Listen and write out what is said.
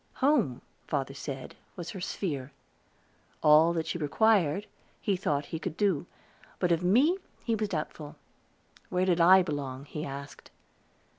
Home, father said, was her sphere. All that she required, he thought he could do; but of me he was doubtful. Where did I belong? he asked.